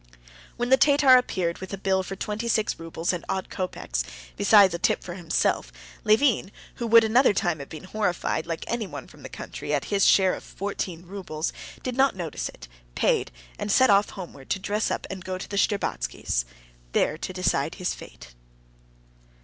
When the Tatar appeared with a bill for twenty six roubles and odd kopecks, besides a tip for himself, Levin, who would another time have been horrified, like anyone from the country, at his share of fourteen roubles, did not notice it, paid, and set off homewards to dress and go to the Shtcherbatskys' there to decide his fate.